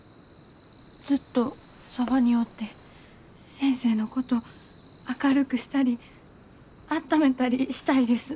ずっとそばにおって先生のこと明るくしたりあっためたりしたいです。